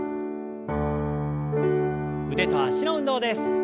腕と脚の運動です。